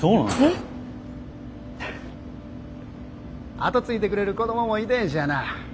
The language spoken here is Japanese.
後継いでくれる子供もいてへんしやな。